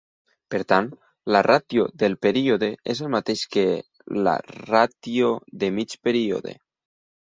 Per tant, la ràtio del període és el mateix que la "ràtio de mig període".